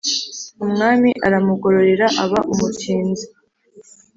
umwami aramugororera aba umutinzi